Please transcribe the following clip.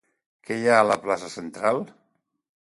Què hi ha a la plaça central?